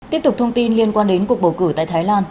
tiếp tục thông tin liên quan đến cuộc bầu cử tại thái lan